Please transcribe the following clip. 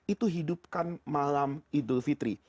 itu hidupkan malam idul fitri